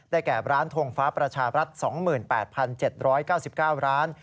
แก่ร้านทงฟ้าประชาบรัฐ๒๘๗๙๙ร้าน